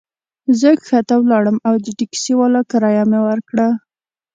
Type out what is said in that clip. زه کښته ولاړم او د ټکسي والا کرایه مي ورکړه.